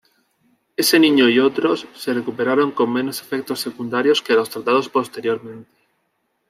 Ese niño y otros se recuperaron con menos efectos secundarios que los tratados posteriormente.